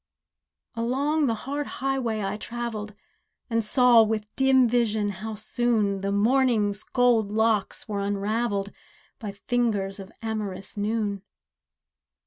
Along the hard highway I travelled And saw, with dim vision, how soon The morning's gold locks were unravelled, By fingers of amorous noon.